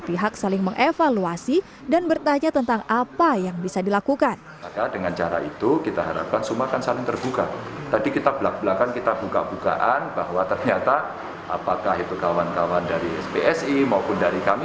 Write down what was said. pihak saling mengevaluasi dan bertanya tentang apa yang bisa dilakukan